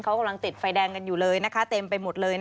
เขากำลังติดไฟแดงกันอยู่เลยนะคะเต็มไปหมดเลย